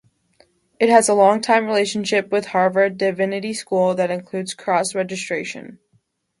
It has a longtime relationship with Harvard Divinity School that includes cross-registration.